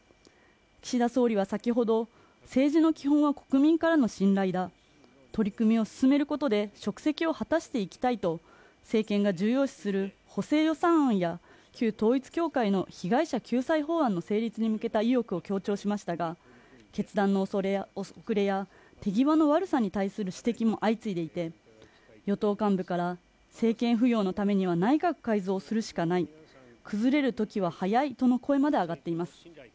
岸田総理は先ほど政治の基本は国民からの信頼だ取り組みを進めることで職責を果たしていきたいと政権が重要視する補正予算案や旧統一教会の被害者救済法案の成立に向けた意欲を強調しましたが決断の遅れや手際の悪さに対する指摘も相次いでいて与党幹部から政権浮揚のためには内閣改造するしかない崩れるときは早いとの声まで上がっています